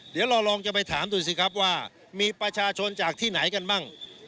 เดี๋ยวเราลองจะไปถามดูสิครับว่ามีประชาชนจากที่ไหนกันบ้าง